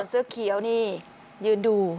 เสื้อเขียวนี่ยืนดู